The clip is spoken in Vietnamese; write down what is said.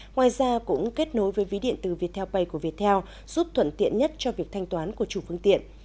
ngoài ra cũng kết nối với ví điện tử viettel pay của viettel giúp thuận tiện nhất cho việc thanh toán của chủ phương tiện